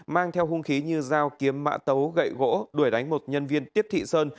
mang theo hung khí như dao kiếm mã tấu gậy gỗ đuổi đánh một nhân viên tiếp thị sơn